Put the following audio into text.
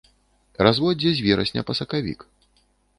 Разводдзе з верасня па сакавік.